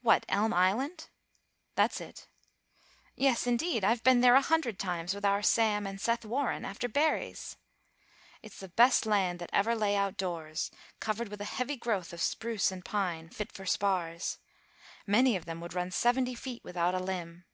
"What, Elm Island?" "That's it." "Yes, indeed! I've been there a hundred times with our Sam and Seth Warren, after berries." "It's the best land that ever lay out doors, covered with a heavy growth of spruce and pine, fit for spars; many of them would run seventy feet without a limb.